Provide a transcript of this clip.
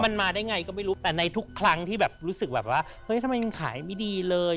มันมาได้ไงก็ไม่รู้แต่ในทุกครั้งที่แบบรู้สึกแบบว่าเฮ้ยทำไมมันขายไม่ดีเลย